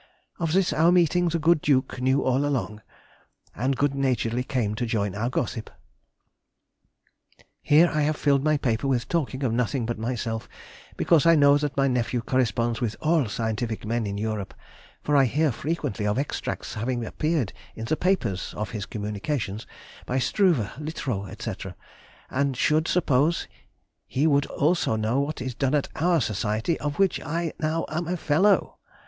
Of this our meeting the good Duke knew all along, and good naturedly came to join our gossip. [Sidenote: 1835. Newton and Flamsteed.] Here I have filled my paper with talking of nothing but myself, because I know that my nephew corresponds with all scientific men in Europe, for I hear frequently of extracts having appeared in the papers (of his communications) by Struve, Littrow, &c., and should suppose he will also know what is done at our Society, of which I now am a fellow!